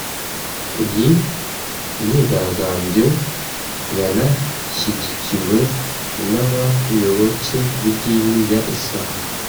Iyi myigaragambyo yanashyigikiwe n’abayoboke b’idini rya Islam